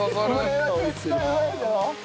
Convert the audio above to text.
これは絶対うまいでしょ。